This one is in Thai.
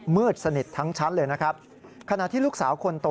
มืดสนิททั้งชั้นเลยนะครับขณะที่ลูกสาวคนโต